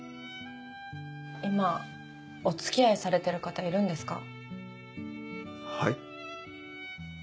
今お付き合いされてる方いるんですかはい？